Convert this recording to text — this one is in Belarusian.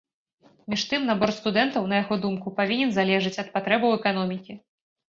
Між тым набор студэнтаў, на яго думку, павінен залежаць ад патрэбаў эканомікі.